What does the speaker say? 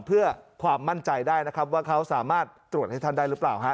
เพื่อความมั่นใจได้นะครับว่าเขาสามารถตรวจให้ท่านได้หรือเปล่าฮะ